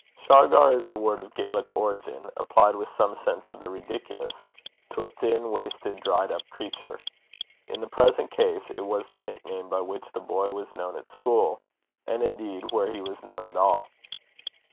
Shargar is a word of Gaelic origin, applied, with some sense of the ridiculous, to a thin, wasted, dried up creature. In the present case it was the nickname by which the boy was known at school; and, indeed, where he was known at all.